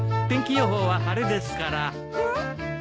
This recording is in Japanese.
天気予報は晴れですから。